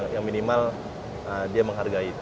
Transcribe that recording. yang minimal dia menghargai